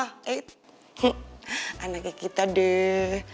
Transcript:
pa anaknya kita deh